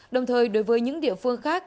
đồng thời đối với những địa phương khác